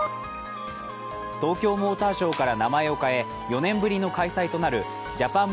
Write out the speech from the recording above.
東京モーターショーから名前を変え４年ぶりの開催となるジャパン